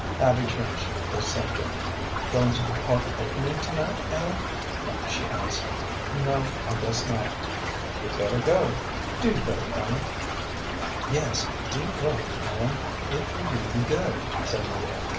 Abby changed the subject. "Going to the park opening to night, Ellen?" she asked. "No, I guess not." "You'd better. Do go, Ellen." "Yes, do go, Ellen; it will do you good," said Maria.